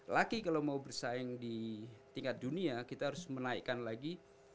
laki kalau mau bersaing di tingkat dunia kita harus menaikkan lagi